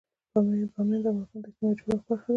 بامیان د افغانستان د اجتماعي جوړښت برخه ده.